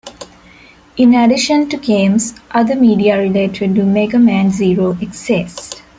In addition to games, other media related to "Mega Man Zero" exists.